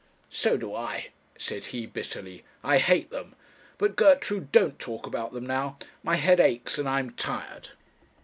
'So do I,' said he, bitterly; 'I hate them but, Gertrude, don't talk about them now; my head aches, and I am tired.'